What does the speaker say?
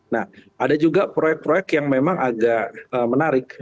nah ada juga proyek proyek yang memang agak menarik